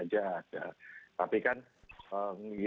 ya bisa aja